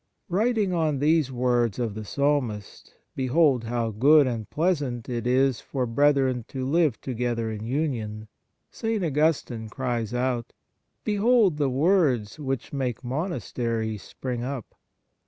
Writing on these words of the Psalmist, " Behold how good and pleasant it is for brethren to live together in union," St. Augustine cries out :" Behold the words which make monasteries spring up